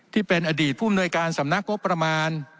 ที่เป็นอดีตผู้มนวยการสำนักงบประมาณ